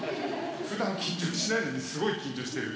ふだん緊張しないのにすごい緊張してる。